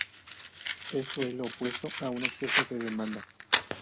Esto es lo opuesto a un exceso de demanda.